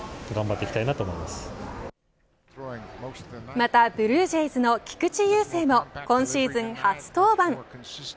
またブルージェイズの菊池雄星も今シーズン初登板。